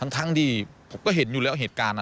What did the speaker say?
ทั้งที่ผมก็เห็นอยู่แล้วเหตุการณ์